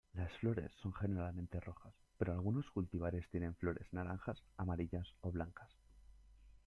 Las flores son generalmente rojas, pero algunos cultivares tienen flores naranjas, amarillas o blancas.